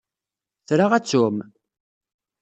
Tra ad tɛum.